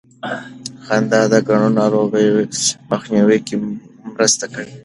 خندا د ګڼو ناروغیو مخنیوي کې مرسته کوي.